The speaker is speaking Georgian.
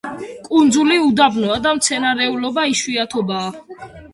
კუნძული უდაბნოა და მცენარეულობა იშვიათობაა.